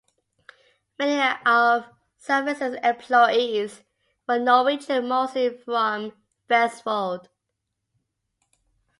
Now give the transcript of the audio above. Many of Salvesen's employees were Norwegian mostly from Vestfold.